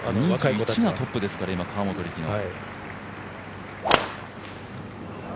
２１がトップですから、今、河本力の。